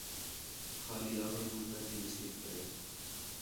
خالی آپݨی مُحتاجی نصیب کرے